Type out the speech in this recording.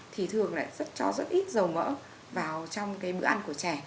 thì thường lại rất cho rất ít dầu mỡ vào trong cái bữa ăn của trẻ